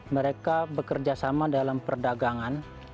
mereka bekerja sama dalam perdagangan